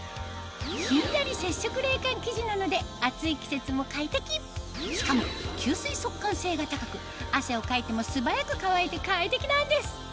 ひんやり接触冷感生地なので暑い季節も快適しかも吸水速乾性が高く汗をかいても素早く乾いて快適なんです